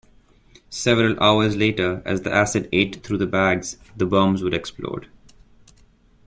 Several hours later, as the acid ate through the bags, the bombs would explode.